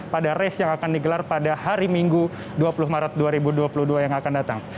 pada race yang akan digelar pada hari minggu dua puluh maret dua ribu dua puluh dua yang akan datang